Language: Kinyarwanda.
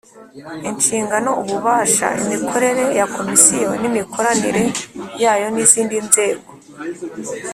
Inshingano ububasha imikorere ya Komisiyo n imikoranire yayo n izindi nzego